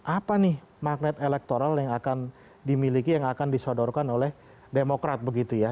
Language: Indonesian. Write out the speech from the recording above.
apa nih magnet elektoral yang akan dimiliki yang akan disodorkan oleh demokrat begitu ya